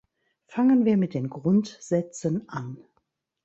Fangen wir mit den Grundsätzen an.